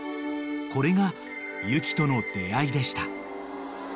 ［これが雪との出合いでした］